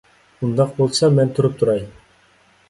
ئۇنداق بولسا مەن تۇرۇپ تۇراي.